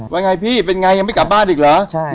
ว่าไงพี่เป็นไงยังไม่กลับบ้านอีกเหรอ